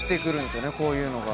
こういうのが。